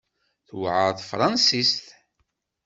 Tewɛer tefransist?